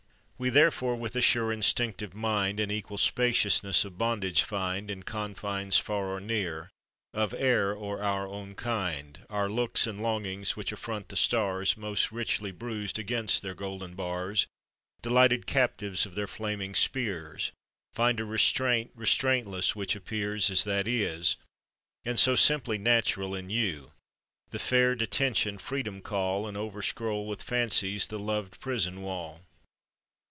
We, therefore, with a sure instinctive mind, An equal spaciousness of bondage find In confines far or near, of air or our own kind. Our looks and longings, which affront the stars, Most richly bruised against their golden bars, Delighted captives of their flaming spears, Find a restraint restrainless which appears As that is, and so simply natural, In you; the fair detention freedom call, And overscroll with fancies the loved prison wall.